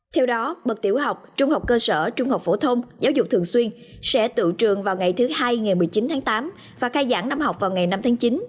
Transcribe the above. theo đó bậc tiểu học trung học cơ sở trung học phổ thông giáo dục thường xuyên sẽ tự trường vào ngày thứ hai ngày một mươi chín tháng tám và khai giảng năm học vào ngày năm tháng chín